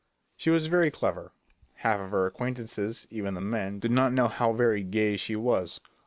She was very clever; half of her acquaintances, even the men, did not know how very "gay" she was.